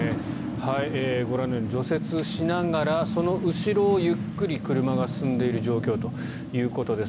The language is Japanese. ご覧のように除雪しながらその後ろをゆっくり車が進んでいる状況ということです。